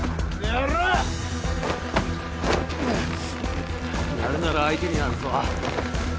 やるなら相手になるぞ。